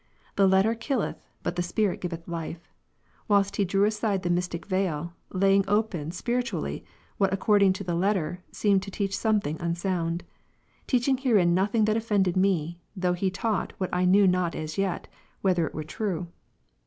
The letter killeth, but the Spirit giveth life ; whilst he j .; drew aside the mystic veil, laying open spiritually what ac I *' cording to the letter, seemed to teach something unsound ; teaching herein nothing that offended me, though he taught what I knew not as yet, whether it were true.